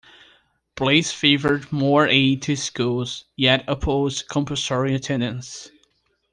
Blease favored more aid to schools, yet opposed compulsory attendance.